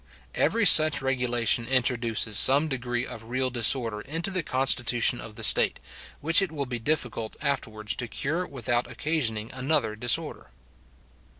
Every such regulation introduces some degree of real disorder into the constitution of the state, which it will be difficult afterwards to cure without occasioning another disorder.